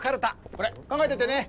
これ考えといてね。